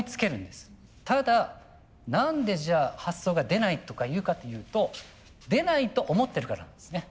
ただ何でじゃあ発想が出ないとかいうかというと出ないと思ってるからなんですね。